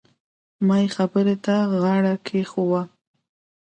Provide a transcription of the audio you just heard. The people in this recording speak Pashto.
ما يې خبرې ته غاړه کېښووه.